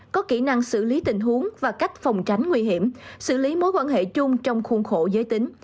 có kỹ năng xử lý tình huống và cách phòng tránh nguy hiểm xử lý mối quan hệ chung trong khuôn khổ giới tính